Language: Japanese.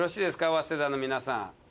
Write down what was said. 早稲田の皆さん。